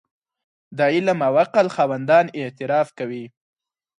د علم او عقل خاوندان اعتراف کوي.